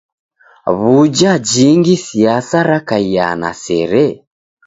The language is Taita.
W'uja jingi siasa rakaiaa na sere?